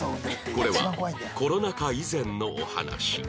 これはコロナ禍以前のお話